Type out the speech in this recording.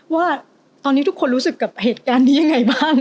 ว่าตอนนี้ทุกคนรู้สึกต่างจากเหตุการณ์นี้อย่างไรบ้าง